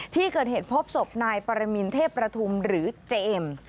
ที่เกิดเหตุพบศพนายปรมินเทพประทุมหรือเจมส์